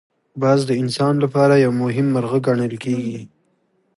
باز د انسان لپاره یو مهم مرغه ګڼل کېږي